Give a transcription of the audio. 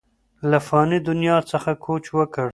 له فاني دنیا څخه کوچ وکړ